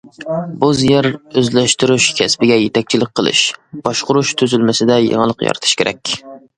بوز يەر ئۆزلەشتۈرۈش كەسپىگە يېتەكچىلىك قىلىش، باشقۇرۇش تۈزۈلمىسىدە يېڭىلىق يارىتىش كېرەك.